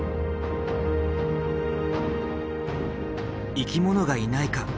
生き物がいないか？